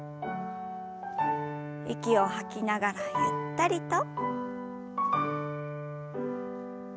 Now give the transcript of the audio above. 息を吐きながらゆったりと。